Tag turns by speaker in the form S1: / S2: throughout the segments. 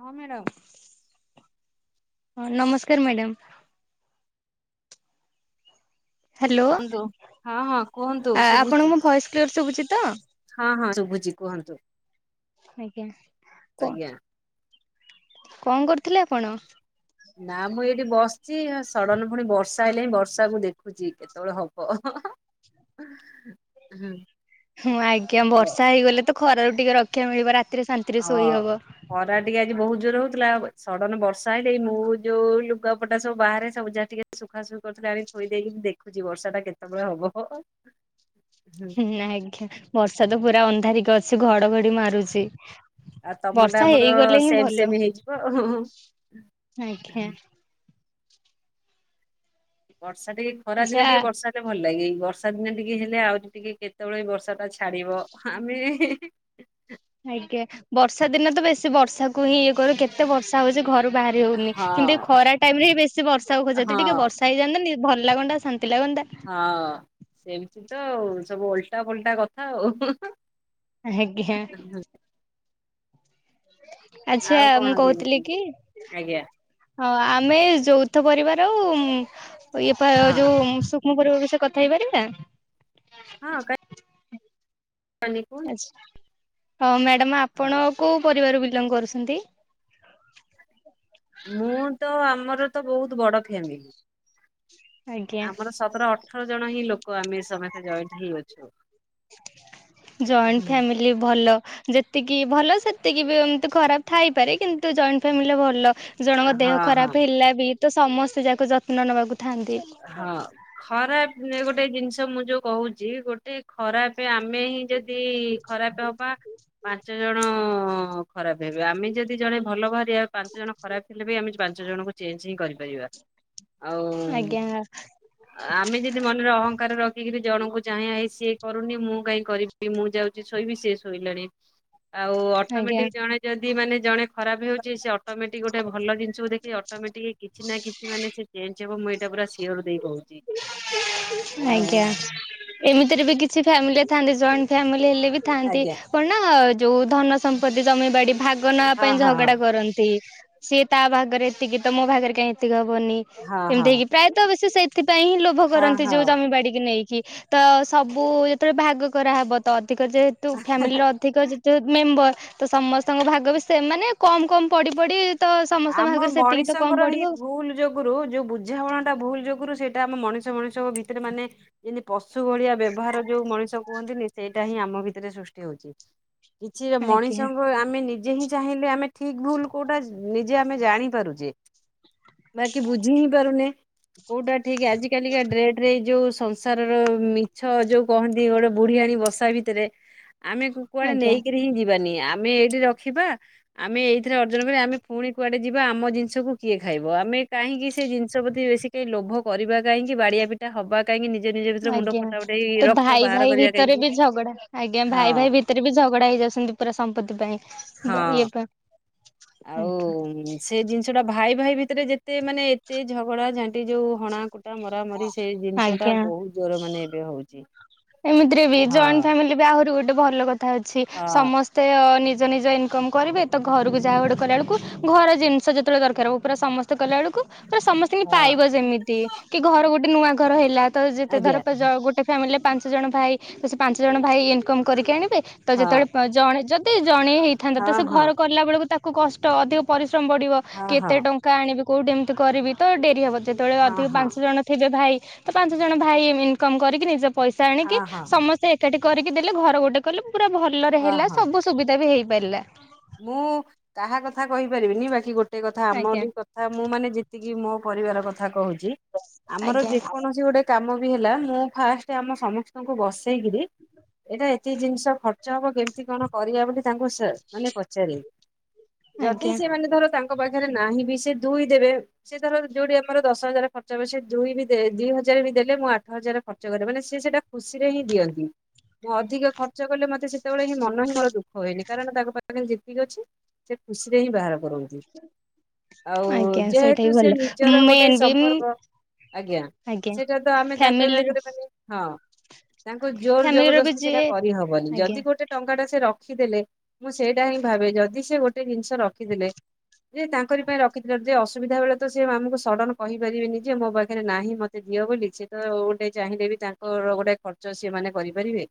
S1: ହଁ ମ୍ୟାଡ଼ାମ।
S2: ହଁ ନମସ୍କାର ମ୍ୟାଡ଼ାମ। ହ୍ୟାଲୋ
S1: କୁହନ୍ତୁ ହଁ ହଁ କୁହନ୍ତୁ
S2: ଆପଣଙ୍କୁ
S1: ଶୁଭୁଚି।
S2: ମୋ ଭଏସ କ୍ଲିୟର ଶୁଭୁଛି ତ?
S1: ହଁ ହଁ ଶୁଭୁଛି କୁହନ୍ତୁ।
S2: ଆଜ୍ଞା
S1: ଆଜ୍ଞା।
S2: କଣ କଣ କରୁଥିଲେ ଆପଣ?
S1: ନା, ମୁଁ ଏଇଠି ବସିଛି। ସଡ଼ନ୍ ଫୁଣି ବର୍ଷା ଆଇଲାଇଁ, ବର୍ଷାକୁ ଦେଖ୍ ଦେଖୁଛି କେତେବେଳେ ହବ। ହୁଁ।
S2: ହଁ, ଆଜ୍ଞା! ବର୍ଷା ହେଇଗଲେ ତ ଖରାରୁ ଟିକେ ରକ୍ଷା ମିଳିବ, ରାତିରେ ଶାନ୍ତିରେ ଶୋଇ
S1: ହଁ
S2: ହବ।
S1: ଖରା ଟିକେ ଆଜି ବହୁତ ଜୋର୍ ରେ ହଉଥିଲା ସଡ଼ନ୍ ବର୍ଷା ହେଇଲାଇଁ, ମୁଁ ଯୋଉ ଲୁଗାପଟା ସବୁ ବାହାରେ ସବୁ ଯାହା ଟିକେ ସୁଖା ସୁୁଖି କରିୁଥିଲି, ଆଣି ଥୋଇ ଦେଇକି, ଦେଖୁଛି ବର୍ଷା ଟା କେତେବେଳେ ହବ?
S2: ହୁଁ, ଆଜ୍ଞା, ବର୍ଷା ତ ପୁରା ଅନ୍ଧାରିକି ଅଛି। ଘଡଘଡି ମାରୁଛି।
S1: ଆଉ ତମଟା
S2: ବର୍ଷା,
S1: ଆମର
S2: ହେଇଗଲେ ହିଁ
S1: ସେମ ସେମ
S2: ଭଲ।
S1: ହେଇଯିବ ଆଉ।
S2: ଆଜ୍ଞା,
S1: ବର୍ଷା ଟିକେ, ଖରା
S2: ଆଚ୍ଛା
S1: ଦିନ ଟିକେ ବର୍ଷା ଭଲ ଲାଗେ। ବର୍ଷା ଦିନେ ଟିକେ ହେଲେ ଆହୁରି ଟିକେ କେତେବେଳେ ଏ ବର୍ଷା ଟା ଛାଡିବ? ଆମେ-ହେଁ-ହେଁ
S2: ଆଜ୍ଞା, ବର୍ଷା ଦିନେ ତ ବେଶୀ ବର୍ଷାକୁ ହିଁ ଇଏ କରୁ। କେତେ ବର୍ଷା ହଉଛି ଘରୁ ବାହାରି ହଉନି। କିନ୍ତୁ ଏ
S1: ହଁ
S2: ଖରା ଟାଇମ୍ ରେ ବି ବେଶୀ ବର୍ଷା କୁ ଖୋଜା ଟିକେ,
S1: ହଁ
S2: ବର୍ଷା ସାଇଯାଆନ୍ତା ନି! ଭଲ ଲାଗନ୍ତା, ଶାନ୍ତି ଲାଗନ୍ତା।
S1: ହଁ, ସେମିତି ତ ଆଉ। ସବୁ ଓଲଟା ପୋଲଟା କଥା ଆଉ। ହୁଁ ହୁଁ
S2: ଆଜ୍ଞା, ହାଁ। ଆଚ୍ଛା,
S1: ଆଉ
S2: ମୁଁ
S1: କଣ
S2: କହୁଥିଲି
S1: କେମିତି
S2: କି?
S1: ଆଜ୍ଞା
S2: ହଁ, ଆମେ ଯୌଥ ପରିବାର ଆଉ, ଉଁ ଇଏ ପା
S1: ହଁ
S2: ଯୋଉଁ ସୁକ୍ ମୋ ପରିବା ବିଷୟ କଥା ହେଇପାରିବା?
S1: ହଁ, କାଇଁ କାନିକୁ
S2: ହଁ, ମ୍ୟାଡାମ୍
S1: ହଁ
S2: ଆପଣ କୋଉ ପରିବାର ବିଲଙ୍ଗ୍ କରୁସନ୍ତି?
S1: ମୁଁ, ତ ଆମର ତ ବହୁତ ବଡ ଫ୍ୟାମିଲି!
S2: ଆଜ୍ଞା
S1: ଆମର ସତର ଅଠ୍ ଅଠର ଜଣ ହିଁ ଲୋକ ଆମେ, ସମେତେ ଜଏଣ୍ଟ ହେଇ ଅଛୁ।
S2: ଲି ଭଲ। ଯେତିକି ଭଲ ସେତିକି ବି ଏମତି ଖରାପ ଥାଇପାରେ! କିନ୍ତୁ ଜଏଣ୍ଟ ଫ୍ୟାମିଲିରେ ଭଲ ଜଣଙ୍କ
S1: ହଁ
S2: ଦେହ
S1: ହଁ
S2: ଖରାପ ହେଲା ବି, ତ ସମସ୍ତେ ଯାକ ଯତ୍ନ ନବାକୁ ଥାନ୍ତି।
S1: ହଁ। ଖରାପ ଗୋଟେ ଜିନିଷ ମୁଁ ଯୋଉ କହୁଛି। ଗୋଟେ ଖରାପେ ଆମେ ହିଁ ଯଦି ଖରାପ ହବା, ପାଞ୍ଚ ଜଣ-ଅ ଖରାପ ହେବେ। ଆମେ ଯଦି ଜଣେ ଭଲ ବାହାରିବା ପାଞ୍ଚ ଜଣ ଖରାପ ହେଲେ ବି ଆମେ ପାଞ୍ଚ ଜଣଙ୍କୁ ଚେଞ୍ଜ ହିଁ କରିପାରିବା।
S2: ଆଜ୍ଞା, ଆ
S1: ଆମ୍ ତମେ ଯଦି ମନରେ ଅହଂକାର ରଖିକିରି ଜଣଙ୍କୁ ଚାହଁ, ସିଏ କରୁନି ମୁଁ କାହିଁ କରିବି? ମୁଁ ଯାଉ ଯିଏ ଶୋଇବି ସିଏ ଶୋଇଲାଣି। ଆଉ,
S2: ଆଜ୍ଞା
S1: ଅଟୋମେଟିକ ଜଣେ ଯଦି ମାନେ ଜଣେ ଖରାପ ହେଉଛି, ସେ ଅଟୋମେଟିକ୍ ଗୋଟେ ଭଲ ଜିନିଷକୁ ଦେଖିକି ଅ ଅଟୋମେଟିକ୍ କିଛି ନା କିଛି ମାନେ ସେ ଚେଞ୍ଜ ହବ। ମୁଁ ଏଇଟା ପୁରା ସିଓର ଦେଇ କହୁଛି।
S2: ଆଜ୍ଞା, ଏମିତିରେ ବି କିଛି ଫ୍ୟାମିଲିରେ ଥାଆନ୍ତି ଜଏଣ୍ଟ ଫ୍ୟାମିଲି ହେଲେ ବି ଥାନ୍ତି।
S1: ଆଜ୍ଞା
S2: କଣ ନା, ଯୋଉ ଧନ ସମ୍ପତ୍ତି ଜମିବାଡି ଭାଗ୍ ଗ ନବା
S1: ହଁ
S2: ପାଇଁ
S1: ହଁ
S2: ଝଗଡା କରନ୍ତି। ସିଏ ତା ଭାଗରେ ଏତିକି ତ ମୋ ଭାଗରେ କାହିଁ, ଏତିକି ହବନି।
S1: ହଁ
S2: ଏମିତି
S1: ହଁ
S2: ହେଇକି ପ୍ରାୟତଃ, ବେଶି ସେଇଥିପାଇଁ ହିଁ ଲୋଭ
S1: ହଁ
S2: କରନ୍ତି, ଯୋଉ
S1: ହଁ।
S2: ଜମି ବାଡି କି ନେଇକି। ତ, ସବୁ ଯେତେବେଳେ ଭାଗ କରାହବ, ତ ଅଧିକ ଯେହେତୁ ଫ୍ୟାମିଲିର ଅଧ୍ ଧିକ ଯେତେ ମେମ୍ବର, ତ ସମସ୍ତଙ୍କ ଭାଗ ବି ସେମାନେ କମ୍ କମ୍ ପଡ଼ି ପଡ଼ି ତ ସମସ୍ତଙ୍କ ଭାଗରେ ସେତିକି ତ କମ୍ ପଡିବ ଆଉ।
S1: ଗୁରୁ, ଯୋଉ ବୁଝାମଣା ଟା ଭୁଲ୍ ଯୋଗୁରୁ ସେଇଟା ଆମ ମଣିଷ ମଣିଷଙ୍କ ଭିତରେ ମାନେ ଯିଁତି ପଶୁ ଘଳିଆ ବ୍ୟବହାର ଯୋଉ ମଣିଷ କୁହନ୍ତିନି! ସେଇଟା ହିଁ ଆମ ଭିତରେ ସୃଷ୍ଟି ହଉଛି। କିଛି
S2: ଆଜ୍ଞା
S1: ମଣିଷଙ୍କ ଆମେ ନିଜେ ହିଁ ଚାହିଁଲେ ଆମେ ଠିକ୍ ଭୁଲ କୋଉଟା ନିଜେ ଆମେ ଜାଣିପାରୁଚେ। ବାକି, ବୁଝି ହିଁ ପାରୁନେ। କୋଉଟା ଠିକ୍ ଆଜିି କାଲିକା ଡେଟ୍ ରେ ଏଇ ଯୋଉ ସଂସ୍ ସାରର ମିଛ ଯୋଉ କହନ୍ତି, ଗୋଟେ ବୁଢୀଆଣୀ ବସା ଭିତରେ ଆମେ କୁ-କୁଆଡେ
S2: ଆଜ୍ଞା।
S1: ନେଇକିରି ହିଁ ଯିବାନି। ଆମେ ଏଇଠି ରଖିବା, ଆମେ ଏଇଥିରେ ଅର୍ଜନ କରିବା। ଆମେ ପୁଣି କୁଆଡେ ଯିବା ଆମ ଜିନିଷକୁ କିଏ ଖାଇବ ଆମେ କାହିଁକି ସେ ଜିଷ ପ୍ରତି ବେଶୀ କାଇଁ ଲୋଭ। କରିବା କାହିଁକି ବାଡିଆ ପି ଟା ହବା କାହିଁକି ନିଜ ନିଜ ଭିତରେ ମୁଣ୍ଡ
S2: ଆଜ୍ଞା।
S1: ଫଟା ଫଟେଇ
S2: ତ
S1: ରକ୍ତ
S2: ଭାଇ
S1: ବାହାର
S2: ଭାଇ
S1: କରିବା କାହିଁକି ହଁ ‌।
S2: ସେଥେରେ ବି ଝଗଡା ହେଇଯାଉଛନ୍ତି ପୁରା ସମ୍ପତ୍ତି ପାଇଁ ଇଏ
S1: ହଁ
S2: ପାଇଁ
S1: ଆଉ
S2: ଆଜ୍ଞା।
S1: ସେ ଜିନିଷ ଟା ଭାଇ ଭାଇ ଭିତରେ ଯେତେ ମାନେ ଏତେ ଝଗଡା ଝାଣ୍ଟି ଯୋଉ ହଣା କୁ ଟା ମରା ମରି ସେଇ ଜିନିଷ ଟା
S2: ଆଜ୍ଞା।
S1: ବହୁତ ଜୋର ମାନେ ଏବେ ହଉଛି।
S2: ଏମିତିରେ ବି
S1: ହଁ
S2: ଜଏଣ୍ଟ ଫାମିଲି ବି ଆହୁରି ଗୋଟେ ଭଲ କଥା ଅଛି
S1: ହଁ
S2: ସମ ସ୍ତେ ନିଜ ନିଜ ଇନକମ୍ କରିବେ ତ ଘରକୁ ଯାହା ଗୁଟେ କରିଲା ବେଳକୁ ଘର ଜିନିଷ ଯେ ତେବେଳେ ଦରକାର ହବ ପୁରା ସମସ୍ତେ କଲା ବବେଳକୁ ପୁରା ସମସ୍ତେ କି
S1: ହଁ
S2: ପାଇବ ଯେମିତି। କି ଘର ଗୋଟେ ନୂଆ ଘର ହେଲା ତ ଯେତେ ଧର
S1: ଆଜ୍ଞା ହଁ
S2: ଯ ଗୋଟେ ଫ୍ୟାମିଲି ରେ ପାଞ୍ଚ ଜଣ ଭାଇ ତ ସେ ପାଞ୍ଚ ଜଣ ଭାଇ ଇନକମ କରିକି ଆଣିବେ ତ ଯେତେବେଳେ ଜଣେ ଯ ଯଦି ଜଣେ ହେଇଥାନ୍ତା ତ
S1: ହଁ
S2: ସେ
S1: ହଁ
S2: ଘର କଲା ବେଳକୁ ତାକୁ କଷ୍ଟ ଅଧିକ ପରିଶ୍ରମ ବଡ଼ିବ
S1: ହଁ
S2: କେତେ
S1: ହଁ
S2: ଟଙ୍କା। ଆଣିବି କୋଉଠି ଏମିତିି ବକରିବି ତ ଡେରି ହବ ଯେତେବେଳେ
S1: ହଁ ହଁ
S2: ଅଧିକ
S1: ହଁ
S2: ପାଞ୍ଚ ଜଣ। ଥିବେ ଭାଇ ତ ପାଞ୍ଚ ଜଣ ଭାଇ ଇନକମ କରିକି ନିଜ ପଇସା ଆଣିକି
S1: ହଁ ହଁ
S2: ସମସ୍ତେ। ଏକାଠି କରିକି ଦେଲେ ଘର ଗୋଟେ କଲେ ପୁରା ଭଲରେ ହେଲା
S1: ହଁ
S2: ସବୁ ସୁବିଧା ବି ହେଇପାରିଲା।
S1: ମୁଁ କାହା କଥା କହିପାରିବିନି ବାକି ଗୋଟେ କଥା
S2: ଆଜ୍ଞା
S1: ଆମରି କ ଥା ମୁଁ ମାନେ ଯେତିକି ମୋ ପରିବାର କଥା କହୁଛି ଆମର
S2: ଆଜ୍ଞା
S1: ଯେକୌଣସି ଗୋଟେ। କାମ ବି ହେଲା ମୁଁ ଫାଷ୍ଟ ଆମ ସମସ୍ତଙ୍କୁ ବସେଇ କିରି। ଏଇଟା ଏତିକି ଜିନିଷ ଖର୍ଚ୍ଚ ହବ କେମିତି କଣ କରିବା ବୋଲି ତାଙ୍କୁ ସେ ମାନେ ପଚାରେ ଯଦି
S2: ଆଜ୍ଞା
S1: ସେମାନେ‌ ଧର ତାଙ୍କ ପାଖରେ ନାହିଁ ବି ସେ ଦୁଇ ଦେବେ। ସେ ଧର ଯୋଉଠି ଆମର ଦଶ ହଜାର ଖର୍ଚ୍ଚ ହବ ସେ ଦୁଇ ବି ଦେ ଦି ହଜାର ବି ଦେଲେ ମୁଁ ଆଠ ହଜାର ଖର୍ଚ୍ଚ କରେ ମାନେ ସିଏ ସେଇଟା। ଖୁସି ରେ ହିଁ ଦିଅନ୍ତି ମୁଁ ଅଧିକ ଖର୍ଚ୍ଚ କଲେ ମୋତେ ସେତେବେଳେ ହିଁ ମନ ହିଁ ମୋର ଦୁଖ ହୁଏନି କାରଣ ତାଙ୍କ ପାଖରେ। ଯେତିକି ଅଛି ସେ ଖୁସିରେ ହିଁ ବାହାର କରୁନ୍ତୁ।
S2: ହ
S1: ଆଉ ଯେହେତୁ ସେ ନିଜର ଗୋଟେ
S2: ମେନ୍ ବି
S1: ସମ୍ପର୍କ। ଆଜ୍ଞା
S2: ଆଜ୍ଞା
S1: ସେଇଟା ତ ଆମେ ତାଙ୍କ
S2: ଫ୍ୟାମିଲିର
S1: ସାଙ୍ଗରେ ମାନେ। ହଁ ତାଙ୍କୁ ଜୋର
S2: ଫ୍ୟାମିଲିର ବି
S1: ଜବରଦସ୍ତି ସେଟା
S2: ଯିଏ
S1: କରିହବନି
S2: ଆଜ୍ଞା
S1: ଯଦି ଗୋଟେ ଟଙ୍କା ଟା ସେ ରଖିଦେଲେ। ମୁଁ ସେଇଟା ହିଁ ଭାବେ ଯଦି ସେ ଗୋଟେ ଜିନିଷ ରଖିଦେଲେ। ଯେ ତାଙ୍କର ପାଇଁ ରଖିଥିଲେ ଯେ ଅସୁବିଧା ବେଳେ ତ ସେ ଆମକୁ ସଡନ କହିପାରିବେନି ଯେ ମୋ ପାଖରେ ନାହିଁ ମତେ। ଦିଅ ବୋଲି ସିଏ ତ ଗୋଟେ ଚାହିଁଲେ ବି ତାଙ୍କର ଗୋଟେ ଖର୍ଚ୍ଚ ସେମାନେ କରିପାରିବେ‌।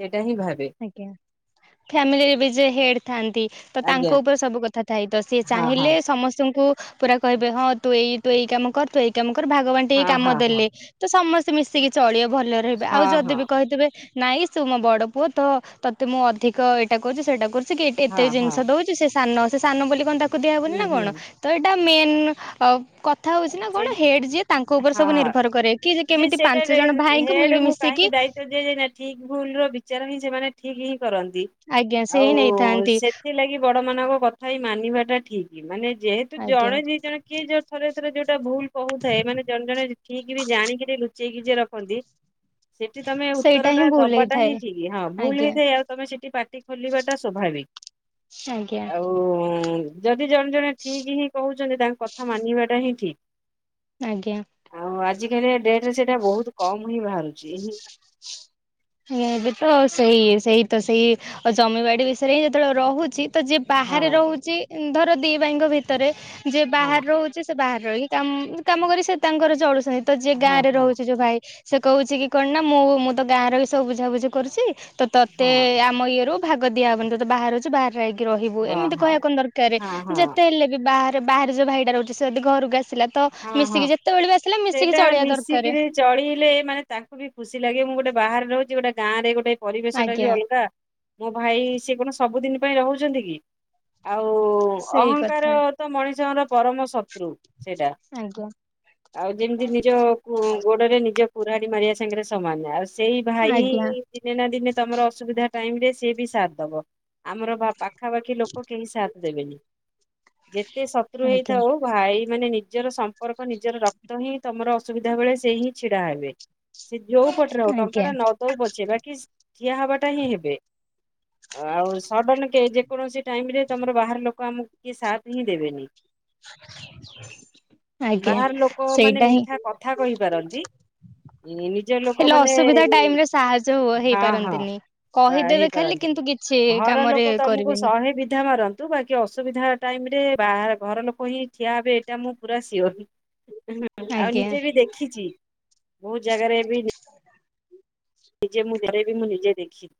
S1: ସେଟା ହିଁ ଭାବେ।
S2: ଆଜ୍ଞା ଫ୍ୟାମିଲି ରେ ବି ଯେ ହେଡ ଥାନ୍ତି। ତ
S1: ଆଜ୍ଞା
S2: ତାଙ୍କ ଉପରେ ସବୁ କଥା ଥାଇତ ସିଏ
S1: ହଁ ହଁ
S2: ଚାହିଁଲେ ସମସ୍ତଙ୍କୁ। ପୁରା କହିବେ ହଁ ତୁ ଏଇ ତୁ ଏଇ କାମ କର ତୁ ଏଇ କାମ କର ଭଗ ବାଣ୍ଟି ହେଇ
S1: ହଁ
S2: କାମ
S1: ହଁ ହଁ
S2: ଦେଲେ। ତ ସମସ୍ତେ ମିଶିକି ଚଳିବେ ଭଲରେ ରହିବେ ଆଉ
S1: ହଁ
S2: ଯଦି
S1: ହଁ
S2: ବି କହିଥିବେ ନାଇଁ ତୁ ମୋ ବଡ। ପୁଅ ତୋ ତତେ ମୁଁ ଅଧିକ ଏଇଟା କହୁଛି ସେଇଟା କରୁଛି କି ଏତେ
S1: ହଁ ହଁ
S2: ଜିନିଷ ଦଉଛି ସେ ସାନ‌ ସେ ସାନ ବୋଲି କଣ ତାକୁ ଦିଆ ହବନି
S1: ହୁଁ
S2: ନା
S1: ହୁଁ
S2: କଣ ତ ଏଟା ମେନ ଅ କ କଥା ହଉଛି ନା କଣ
S1: ସେ
S2: ହେଡ ଯିଏ ତାଙ୍କ ଉପରେ
S1: ହଁ
S2: ସବୁ
S1: ହଁ
S2: ନିର୍ଭର କରେ କି ଯେ କେମିତି ପାଞ୍ଚ ଜଣ ଭାଇଙ୍କୁ ମିଳିମିଶିକି।
S1: ତ ଯିଏ ଯିଏ ନା ଠିକ ଭୁଲ ର ବିଚାର ହିଁ ସେମାନେ ଠିକ ହିଁ କରନ୍ତି।
S2: ଆଜ୍ଞା ସେ ହିଁ
S1: ଆଉ
S2: ନେଇଥାନ୍ତି
S1: ସେଥିଲାଗି। ବଡ ମାନଙ୍କ କଥା ହି ମାନିବା ଟା ଠିକ୍ ମାନେ ଯେହେତୁ
S2: ଆଜ୍ଞା।
S1: ଜଣେ ଦି ଜଣେ କିଏ ଯୋଉ ଥରେ ଥରେ ଯୋଉ। ତା ଭୁଲ କହୁଥାଏ ମାନେ ଜଣେ ଜଣେ ଠିକି ବି ଜାଣିକିରି ଲୁଚେଇକି ଯିଏ ରଖନ୍ତି। ସେଠି ତମେ
S2: ସେଇଟା
S1: ଉତ୍ତର
S2: ହିଁ
S1: ଟା
S2: ଭୁଲ
S1: ଦବା ଟା ହିଁ
S2: ହେଇଥାଏ
S1: ଠିକ ହଁ ଭୁଲ
S2: ଆଜ୍ଞା
S1: ହେଇଥାଏ ଆଉ। ତମେ ସେଠି ପଟି ଖୋଲିବା ଟା ସ୍ୱଭାବିକ।
S2: ଆଜ୍ଞା।
S1: ଯଦି ଜଣେ ଜଣେ ଠିକ ହିଁ କହୁଛନ୍ତି ତାଙ୍କ କଥା ମାନିବାଟା ହିଁ ଠିକ।
S2: ଆଜ୍ଞା।
S1: ଆଉ ଆଜି କାଲିକା ଡେଟ ରେ ସେଇଟା ବହୁତ କମ ହିଁ ବାହାରୁଛି ହିଁ।
S2: ଆଜ୍ଞା ଏବେ ତ ସେଇ ସେଇ ତ ସେଇ ଜମିବାଡି ବିଷୟରେ ହିଁ ଯେତେବେଳେ ରହୁଛି। ତ ଯିଏ ବାହାରେ
S1: ହଁ
S2: ରହୁଛି ଧର ଦି ଭାଇଙ୍କ ଭିତରେ ଯିଏ
S1: ହଁ
S2: ବାହାରେ ରହୁଛି ସେ ବାହାରେ ରହି। କାମ କାମ କରି ସେ ତାଙ୍କର ଚଳୁଛନ୍ତି ତ ଯିଏ ଗାଁ
S1: ହଁ
S2: ରେ
S1: ହଁ
S2: ରହୁଛି ଯୋଉ ଭାଇ। ସେ କହୁଛି କି କଣ ନା ମୁଁ ମୁଁ ତ ଗାଁରେ ବି ସବୁ ବୁଝାବୁଝି କରୁଛି ତ ତୋତେ
S1: ହଁ
S2: ଆ ଆମ ଇଏରୁ ଭାଗ ଦିଆ ହବନି ତୁ ତ ବାହାରେ ଅଛୁ ବାହାର ହେଇକି ରହିବୁ
S1: ହଁ
S2: ଏମିତି କହିବା କଣ
S1: ହଁ
S2: ଦରକାରେ
S1: ହଁ
S2: ଯେତେ ହେଲେ ବି ବା ବାହାରେ ଯୋଉ ଭାଇଟା ରହୁଛି ସେ ବି ଘରକୁ ଆସିଲା ତ
S1: ହଁ ହଁ
S2: ମିଶିକି ଯେତେବେଳେ ବି ଆସିଲା
S1: ସେଇଟା
S2: ମିଶିକି ଚଳିଆ ଦରକାରେ।
S1: ମିଶିକିରି ଚଳିଲେ ମାନେ ତାଙ୍କୁ ବି ଖୁସି ଲାଗେ ମୁଁ ଗୋଟେ ବାହାରେ ରହୁଛି ଗୋଟେ ଗାଁରେ ଗୋଟେ। ପରିବେଶ ଟା ବି
S2: ଆଜ୍ଞା
S1: ଅଲଗା। ମୋ ଭାଇ ସିଏ କଣ ସବୁଦିନ ପାଇଁ ରହୁଛନ୍ତି କି ଆଉ
S2: ସେଇ
S1: ଅହଙ୍କାର।
S2: କଥା
S1: ତ ମଣିଷଙ୍କର ପରମ ଶତ୍ରୁ ସେଇଟା।
S2: ଆଜ୍ଞା।
S1: ଆଉ ଯେମିତି ନିଜ କୁ ଗୋଡରେ ନିଜେ କୁରାଢି ମାରିବା ସାଙ୍ଗରେ ସମାନ ଆଉ ସେ ସେଇ ଭାଇ।
S2: ଆଜ୍ଞା
S1: ଦିନେ ନା ଦିନେ ତମର ଅସୁବିଧା ଟାଇମ ରେ ସିଏ ବି ସାଥ ଦବ ଆମର ବା ପା ପାଖାପାଖି ଲୋକ କେହି ସାଥ ଦେବେନି ଯେତେ ଶତ୍ରୁ
S2: ଆଜ୍ଞା
S1: ହେଇଥାଉ ଭାଇ ମାନେ ନି ନିଜର ସମ୍ପର୍କ ନିଜର ରକ୍ତ ହିଁ ତମର ଅସୁବିଧା ବେଳେ ସେ ହିଁ ଛିଡା ହେବେ। ସେ ଯୋଉ ପଟରେ ହଉ ଟଙ୍କା
S2: ଆଜ୍ଞା
S1: ଟା ନ ଦଉ ପଛେ ବାକି ଠିଆ ହବାଟା ହିଁ ହେବେ। ଆଉ ସଡନ କେ ଯେକୌଣସି ଟାଇମ ରେ ତମର ବାହାର ଲୋକ ଆମକୁ କିଏ ସାଥ ହିଁ ଦେବେନି।
S2: ଆଜ୍ଞା
S1: ବାହାର ଲୋକ ମାନେ
S2: ସେଇଟା ହିଁ
S1: ମିଠା କଥା କହିପାରନ୍ତି। ଇ ନିଜେ
S2: ହେଲେ
S1: ଲୋକମାନେ
S2: ଅସୁବିଧା ଟାଇମ ରେ ସାହାଯ୍ୟ ହୁଅ
S1: ହଁ ହଁ।
S2: ହେଇପାରନ୍ତିନି
S1: ବା
S2: କହିଦେବେ ଖାଲି
S1: ହେଇପାରନ୍ତିନି
S2: କିନ୍ତୁ କିଛି
S1: ଘର
S2: କାମରେ
S1: ଲୋକ ତମକୁ
S2: କରିବେନି
S1: ଶହେ ବିଧା ମାର ତୁ ବାକି ଅସୁବିଧା ଟାଇମ ରେ ବାହାର ଘର ଲୋକ ହିଁ ଠିଆ ହେବେ ଏଇଟା ମୁଁ। ପୁରା ଶିଓର ହିଁ ଆଉ
S2: ଆଜ୍ଞା
S1: ନିଜେ ବି ଦେଖିଛି ବହୁତ ଜାଗାରେ ବି
S2: ସେଇଟା।
S1: ନିଜେ ମୁଁ ଥରେ ବି ମୁଁ ନିଜେ ଦେଖି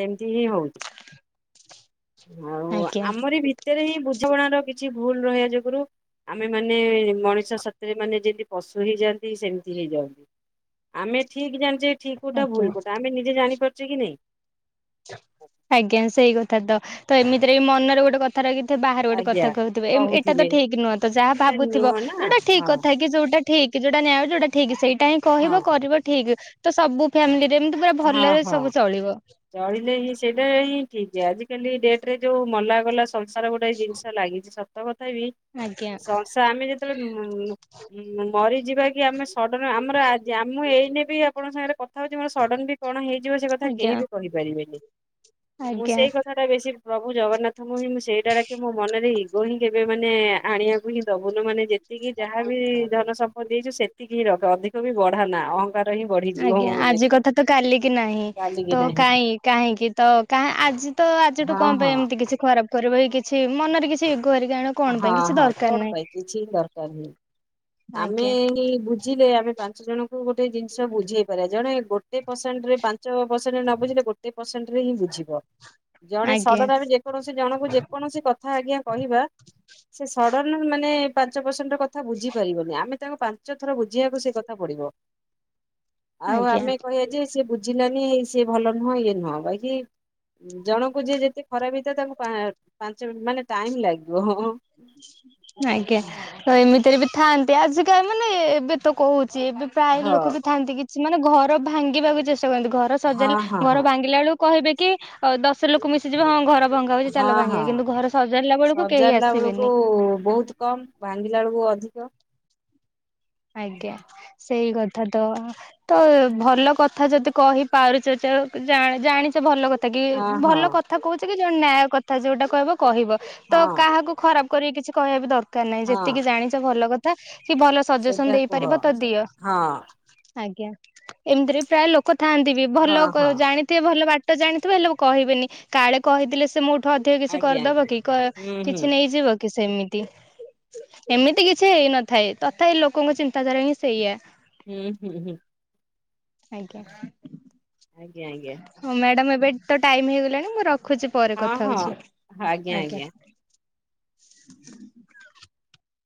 S1: ସେମିତି ହିଁ ହଉଛି। ଆଉ
S2: ଆଜ୍ଞା
S1: ଆମରି ଭିତରେ ହିଁ ବୁଝାମଣା ର କିଛି ଭୁଲ ରହିବା ଯୋଗୁରୁ। ଆମେ ମାନେ ମଣିଷ ସାଥିରେ ମାନେ ଯେମିତି ପଶୁ ହେଇଯାଆନ୍ତି ସେମିତି ହେଇଯାଆନ୍ତି। ଆମେ ଠିକ ଜାଣିଛେ ଠିକ କୋଉଟା
S2: ଆଜ୍ଞା
S1: ଭୁଲ କୋଉଟା ଆମେ ନିଜେ ଜାଣିପାରୁଛେ କି ନାଇଁ?
S2: ଆଜ୍ଞା ସେଇ କଥା ତ ତ ଏମିତିରେ ଏଇ ମନରେ ଗୋଟେ କ କଥା ରହିକି ତ ବାହାରେ ଗୋଟେ
S1: ଆଜ୍ଞା
S2: କଥା କହୁଥିବେ ଏମ ଏଟା ତ
S1: କହୁଥିବେ
S2: ଠିକ ନୁହଁ ତ ଯାହା
S1: ସେଟା
S2: ଭାବୁଥିବ
S1: ନୁହଁ ନା
S2: ଯଉଟା ଠିକ
S1: ହଁ
S2: କଥା କି ଯୋଉଟା ଠିକ ଯୋଉଟା ନ୍ୟାୟ ଯୋଉଟା ଠିକ ସେଇଟା ହିଁ
S1: ହଁ।
S2: କହିବ କରିବ ଠିକ। ତ ସବୁ ଫ୍ୟାମିଲିରେ ଏମିତି ପୁରା
S1: ହଁ
S2: ଭଲରେ
S1: ହଁ
S2: ସବୁ ଚଳିବ।
S1: ଚଳିଲେ ହିଁ ସେଇଟା ହିଁ ଠିକ ଆଜିକାଲି ଡେଟ ରେ ଯୋଉ ମଲା ଗଲା ସଂସାର ଗୋଟାଏ ଜିନିଷ ଲାଗିଛି ସତ କଥା ବି
S2: ଆଜ୍ଞା
S1: ସଂସା ଆମେ ଯେତେବେଳେ ଉଁ ଉଁ ମରିଯିବା କି ଆମେ ସଡନ ଆମର ଆଜି ଆମ ଏଇନେ ବି ଆପଣଙ୍କ ସାଙ୍ଗରେ କଥା ହଉଛି ମୋର ସଡନ ବି କଣ ହେଇଯିବ ସେ କଥା କେହି
S2: ଆଜ୍ଞା
S1: ବି କହିପାରିବେନି ମୁଁ
S2: ଆଜ୍ଞା
S1: ସେଇ କଥା କଥାଟା ବେଶୀ ପ୍ରଭୁ ଜଗନ୍ନାଥ ମୁଁ ହିଁ ମୁଁ ସେଇଟା ଡାକେ ମୋ ମନରେ ଇଗୋ ହିଁ କେବେ ମାନେ ଆ-ଆଣିବା କୁ ହିଁ ଦବୁନୁ ମାନେ ଯେତିକି ଯାହା ବି ଧନ ସମ୍ପତି ଦେଇଛୁ ସେତିକି ହିଁ ରଖେ ଅଧିକ ବି ବଢା ନା ଅହ ଅହଙ୍କାର ହିଁ ବଢିଯିବ
S2: ଆଜ୍ଞା
S1: ମୋ
S2: ଆଜି
S1: ମନରେ।
S2: କଥା ତ କାଲି କି ନାହିଁ।
S1: ଚାଲିକି
S2: ତ
S1: ନାହିଁ
S2: କାହିଁ କାହିଁକି ତ କାଁ ଆଜି ତ ଆଜିଠୁ
S1: ହଁ
S2: କଣ ପାଇଁ
S1: ହଁ
S2: ଏମିତି କିଛି ଖରାପ। କରିବା କିଛି ମନରେ କିଛି ଇଗୋ ହେରିକା ଆଣ।
S1: ହଁ ହଁ କଣ ପାଇଁ କିଛି ଦରକାର ନାହିଁ। ଆମେ
S2: ଆଜ୍ଞା।
S1: ଇଙ୍ଗ ବୁଝିଲେ ଆମେ ପାଞ୍ଚ ଜଣଙ୍କୁ ଗୋଟେ ଜିନିଷ ବୁଝେଇ ପାରିବା ଜଣେ ଗୋ କେତେ ପରସେଣ୍ଟ ରେ ପାଞ୍ଚ ପରସେଣ୍ଟରେ ନ ବୁଝିଲେ ଗୋ ତେ ପରସେଣ୍ଟରେ ହିଁ ବୁଝିବ ଜଣେ
S2: ଆଜ୍ଞା
S1: ସଡ଼ନ ଆମେ ଯେକୌଣସି ଜଣଙ୍କୁ ଯେକୌଣସି କ ଥା ଆଜ୍ଞା କହିବା ସେ ସଡ଼ନ ମାନେ ପାଞ୍ଚ ପରସେଣ୍ଟ ର କଥା ବୁଝି ପାରିବନି ଆମେ ତାଙ୍କୁ ପାଞ୍ଚ ଥର ବୁଝେଇବାକୁ ସେ କଥା ପଡିବ ଆଉ
S2: ଆଜ୍ଞା
S1: ଆମେ କହିବା ଯେ ସିଏ ବୁଝିଲାନି ସିଏ ଭଲ ନୁହଁ ଇଏ ନୁହଁ ବାକି। ଉଁ ଜଣଙ୍କୁ ଯିଏ ଯେତେ ଖରାପ ହେଉଥାଏ ତାଙ୍କୁ ପା-ପାଞ୍ଚ ମି ମାନେ ଟାଇମ ଲାଗିବ ହଁ ହଁ।
S2: ଆଜ୍ଞା ଏମିତିରେ ବି ଥାଆନ୍ତି ଆଜିକା ମାନେ ଏବେ ତ କହୁଛି ଏବେ ପ୍ରାୟ
S1: ହଁ
S2: ଲୋକ ବି ଥାନ୍ତି କିଛି ମାନେ ଘର ଭାଙ୍ଗିବାକୁ ଚେଷ୍ଟା କରନ୍ତି ଘର
S1: ହଁ
S2: ସଜାଲେ
S1: ହଁ
S2: ଘର
S1: ହଁ
S2: ଭାଙ୍ଗିଲା ବେଳକୁ କହିବେ କି ଆ ଦଶ ଲୋକ ମିଶିଯିବ ହଁ ଘର ଭଙ୍ଗା ହଉଛି
S1: ହଁ
S2: ଚାଲ ଭାଙ୍ଗିବେ କିନ୍ତୁ ଘର ସଜାଡ଼ିଲା ବେଳକୁ କେହି ଆସେ
S1: ବୋ ଓ ବହୁତ କମ ଭାଙ୍ଗିଲା ବେଳକୁ ଅଧିକ
S2: ଆଜ୍ଞା ସେଇ କଥା ତ ତ ଭଲ କଥା ଯଦି କହି ପାରୁଛ ଯ ଉ ଜାଣିଛେ ଭଲ କଥା ତାକି
S1: ହଁ ହଁ
S2: ଭଲ କଥା କହୁଛି କି ଜଣେ ନ୍ୟାୟ କଥା ଯୋଉଟା କହିବ କହିବ
S1: ହଁ
S2: ତ କାହାକୁ ଖରାପ କରି କିଛି କହିବା ବି ଦରକାର ନାହିଁ
S1: ହଁ
S2: ଯେତିକି ଜାଣିଛ ଭଲ କଥା କି ଭଲ ସଜେସନ
S1: ସେଇଟା କୁହ।
S2: ଦେଇପାରିବ ତ ଦିଅ
S1: ହଁ
S2: ଆଜ୍ଞା ଏମିତିରେ ବି ପ୍ରାୟ ଲୋକ ଥାଆନ୍ତି ବି
S1: ହଁ
S2: ଭଲକ
S1: ହଁ
S2: ଜାଣି ତିଭଲ ବାଟ ଜାଣିଥିବେ ହେଲେ କହିବେନି କାଳେ କହିଥିଲେ ସେ ମୁଁ ଠୁ ଅଧିକ କିଛି
S1: ଆଜ୍ଞା
S2: କରିଦବ
S1: ଆଜ୍ଞା।
S2: କି କ
S1: ହୁଁ ହୁଁ
S2: କିଛି ନେଇଯିବ କି ସେମିତି ଏମିତି କିଛି ହେଇନଥାଏ ତଥାପି ଲୋକଙ୍କ ଚିନ୍ତାଧାରା ହିଁ ସେଇଆ
S1: ହୁଁ ହୁଁ ହୁଁ।
S2: ଆଜ୍ଞା।
S1: ଆଜ୍ଞା ଆଜ୍ଞା।
S2: ହଁ ମ୍ୟାଡାମ ଏବେ ତ ଟାଇମ ହେଇଗଲାଣି ମୁଁ ରଖୁଛି। ପରେ
S1: ହଁ
S2: କଥା
S1: ହଁ
S2: ହଉଛି ଆଜ୍ଞା।